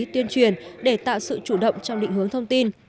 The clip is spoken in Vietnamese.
tuyên truyền để tạo sự chủ động trong định hướng thông tin